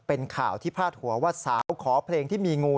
เป็นข่าวที่พาดหัวว่าสาวขอเพลงที่มีงู